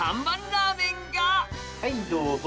はいどうぞ。